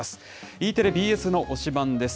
ＥテレＢＳの推しバン！です。